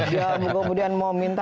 dia kemudian mau minta